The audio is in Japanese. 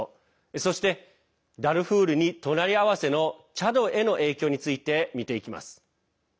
そして、ダルフールに隣り合わせのチャドへの影響について見ていきます。